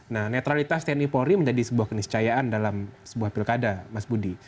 nah netralitas tni polri menjadi sebuah keniscayaan dalam sebuah pilkada mas budi